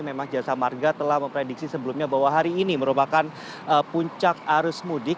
memang jasa marga telah memprediksi sebelumnya bahwa hari ini merupakan puncak arus mudik